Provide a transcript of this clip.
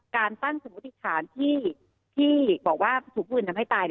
การตั้งสมมุติฐานที่บอกว่าถูกผู้อื่นทำให้ตาย